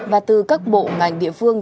và từ các bộ ngành địa phương